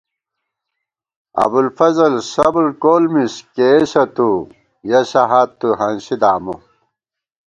ابُوالفضل صبُر کول مِز کېئیسہ تُو ، یَہ سَہات تُو ہانسی دامہ